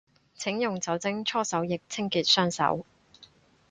請用酒精搓手液清潔雙手